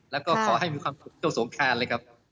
แล้วก็ขอให้มีความสุขเที่ยวสงการเลยครับ